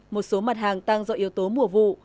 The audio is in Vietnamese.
một số mặt hàng tăng do yếu tố mùa vụ